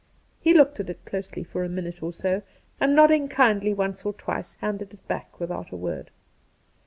He looked at it closely for a minute or so, and nodding kindly once or twice, handed it back without a word.